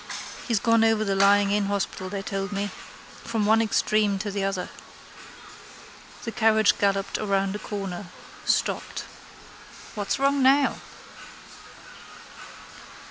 He's gone over to the lying in hospital they told me. From one extreme to the other. The carriage galloped round a corner: stopped. —What's wrong now?